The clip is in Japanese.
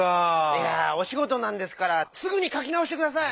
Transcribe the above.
いやおしごとなんですからすぐにかきなおしてください！